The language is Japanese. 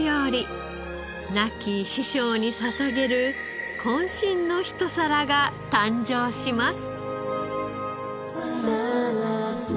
亡き師匠に捧げる渾身のひと皿が誕生します。